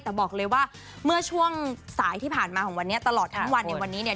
แต่บอกเลยว่าเมื่อช่วงสายที่ผ่านมาของวันนี้ตลอดทั้งวันในวันนี้เนี่ย